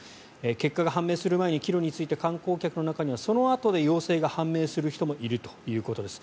結果が判明する前に帰路に就いた観光客の中にはそのあとで陽性が判明する人もいるということです。